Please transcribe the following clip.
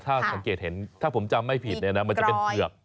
ถ้าสังเกตเห็นถ้าผมจำไม่ผิดเนี่ยนะมันจะเป็นเผือก